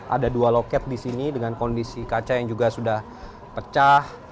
ada dua loket di sini dengan kondisi kaca yang juga sudah pecah